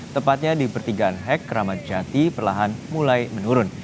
tepatnya di pertigaan hek keramat jati perlahan mulai menurun